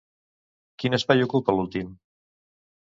Quin espai ocupa l'últim?